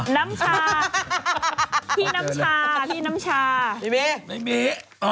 น้ำชาพี่น้ำชาพี่น้ำชา